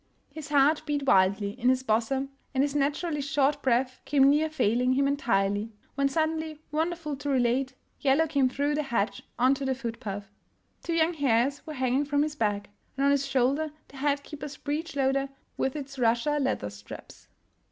His heart beat wildly in his bosom, and his naturally short breath came near failing him entirely — when suddenly, wonderful to relate, " Yel low " came through the hedge on to the footpath. Two young hares were hanging from his bag, and on his shoulder the headkeeper's breechloader with its Russia leather straps.